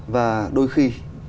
và đôi khi